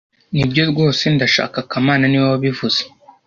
Nibyo rwose ndashaka kamana niwe wabivuze